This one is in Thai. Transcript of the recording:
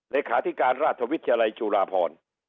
เหลศาสตร์ธิการราชวิทยาลัยจุราพร